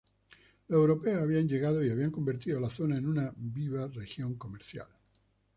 Los europeos habían llegado y habían convertido la zona en una viva región comercial.